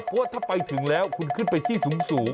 เพราะว่าถ้าไปถึงแล้วคุณขึ้นไปที่สูง